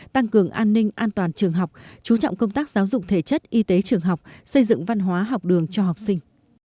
tăng cường an ninh an toàn trường học chú trọng công tác giáo dục thể chất y tế trường học xây dựng văn hóa học đường cho học sinh